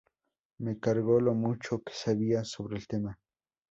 Me cargó lo mucho que sabía sobre el tema.